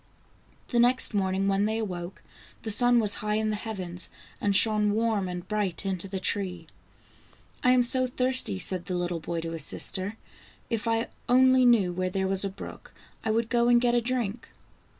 The next morning when they awoke, the sun was high in the heavens, and shone warm and bright into the tree. " I am so thirsty," said the little boy to his sister. "If I only knew where there was a brook, I would go and get a drink.